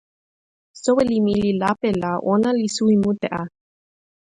soweli mi li lape la ona li suwi mute a!